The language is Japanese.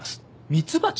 ミツバチ！？